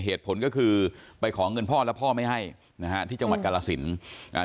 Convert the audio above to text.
เหตุผลก็คือไปขอเงินพ่อแล้วพ่อไม่ให้นะฮะที่จังหวัดกาลสินอ่า